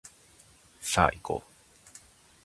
さあいこう